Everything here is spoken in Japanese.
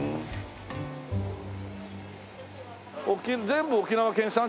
全部沖縄県産？